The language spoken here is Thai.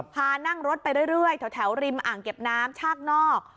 พานั่งรถไปเรื่อยแถวริมอ่างเก็บน้ำชากนอก